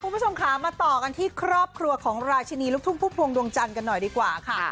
คุณผู้ชมค่ะมาต่อกันที่ครอบครัวของราชินีลูกทุ่งพุ่มพวงดวงจันทร์กันหน่อยดีกว่าค่ะ